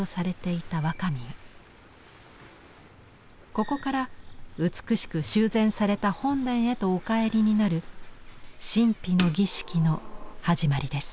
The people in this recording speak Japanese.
ここから美しく修繕された本殿へとお帰りになる神秘の儀式の始まりです。